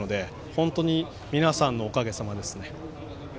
本当に皆さんのおかげさまですね。